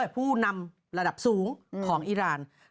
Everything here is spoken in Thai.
ผู้นำระดับสูงของอิราณ